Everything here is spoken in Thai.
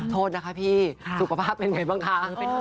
โทษนะคะพี่สุขภาพเป็นไงบ้างคะ